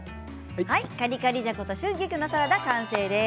カリカリじゃこと春菊のサラダ完成です。